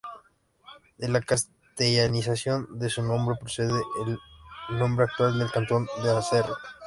De la castellanización de su nombre procede el nombre actual del cantón de Aserrí.